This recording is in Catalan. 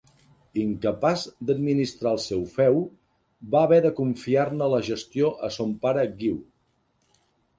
Incapaç d'administrar el seu feu, va haver de confiar-ne la gestió a son pare Guiu.